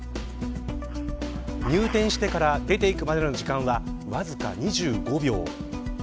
入店してから出ていくまでの時間はわずか２５秒。